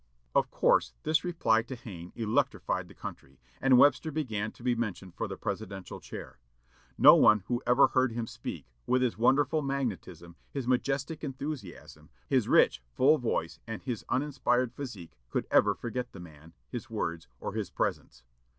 Of course, this reply to Hayne electrified the country, and Webster began to be mentioned for the presidential chair. No one who ever heard him speak, with his wonderful magnetism, his majestic enthusiasm, his rich, full voice, and his unsurpassed physique, could ever forget the man, his words, or his presence.